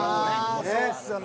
そうですよね。